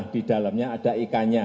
di dalamnya ada ikannya